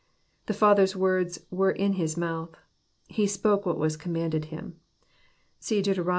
The Father's words were in His mouth. He spoke what was commanded Him. (See Deut.